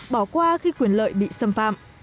bỏ qua khi quyền lợi bị xâm phạm